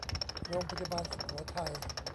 โรงพยาบาลสุโขทัย